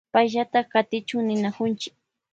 Payllata katichun ninakunchi.